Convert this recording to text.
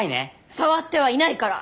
触ってはいないから！